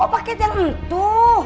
oh paket yang itu